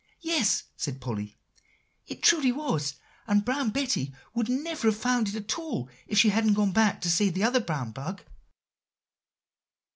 "Yes," said Polly, "it truly was; and Brown Betty would never have found it at all if she hadn't gone back to save the other brown bug."